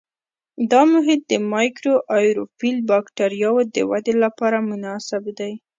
دا محیط د مایکروآیروفیل بکټریاوو د ودې لپاره مناسب دی.